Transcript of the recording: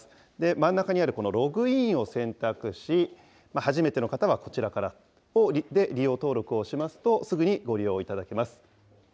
真ん中にあるログインを選択し、初めての方はこちらから利用登録をしますと、すぐにご利用いただけます。